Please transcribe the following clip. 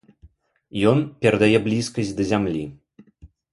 Ён перадае блізкасць да зямлі.